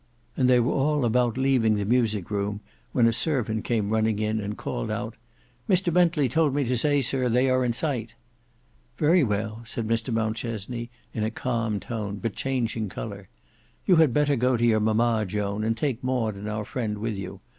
And they were all about leaving the music room, when a servant came running in and called out "Mr Bentley told me to say, sir, they are in sight." "Very well," said Mr Mountchesney in a calm tone but changing colour. "You had better go to your mama, Joan, and take Maud and our friend with you.